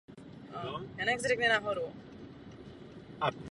Během svého života Strindberg navštívil mnohá místa po celé Evropě.